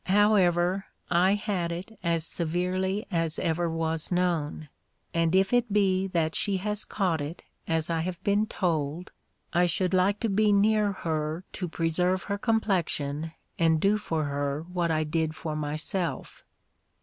However, I had it as severely as ever was known. And if it be that she has caught it as I have been told, I should like to be near her to preserve her complexion, and do for her what Ï did for myself."